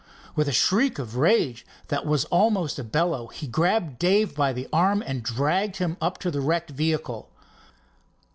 With a shriek of rage that was almost a bellow he grabbed Dave by the arm and dragged him up to the wrecked vehicle.